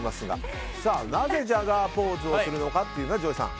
なぜジャガーポーズをするのかと。